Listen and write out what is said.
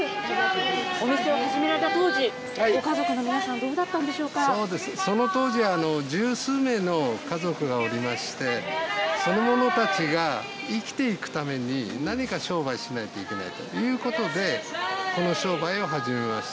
お店を始められた当時、ご家族のその当時、十数名の家族がおりまして、その者たちが生きていくために、何か商売しないといけないということで、この商売を始めました。